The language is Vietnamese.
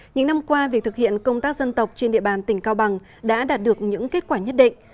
những năm qua việc thực hiện công tác dân tộc trên địa bàn tỉnh cao bằng đã đạt được những kết quả nhất định